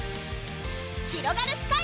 ひろがるスカイ！